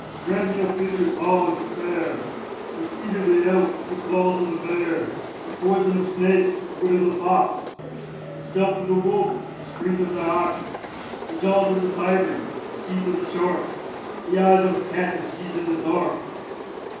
Grant me a figure tall and spare; The speed of the elk, the claws of the bear; The poison of snakes, the wit of the fox; The stealth of the wolf, the strength of the ox; The jaws of the tiger, the teeth of the shark; The eyes of a cat that sees in the dark.